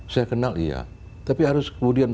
saya kenal iya tapi harus kemudian